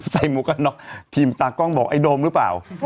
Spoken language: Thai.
หมวกกันน็อกทีมตากล้องบอกไอ้โดมหรือเปล่า